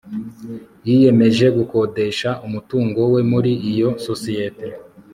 Yiyemeje gukodesha umutungo we muri iyo sosiyete